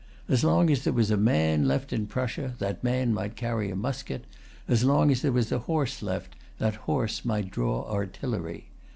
As long as there was a man left in Prussia, that man might carry a musket; as long as there was a horse left, that horse might draw artillery.